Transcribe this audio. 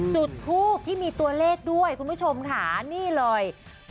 จุดทูปที่มีตัวเลขด้วยคุณผู้ชมค่ะนี่เลย